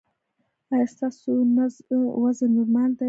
ایا ستاسو وزن نورمال دی؟